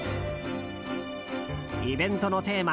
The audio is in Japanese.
イベントのテーマ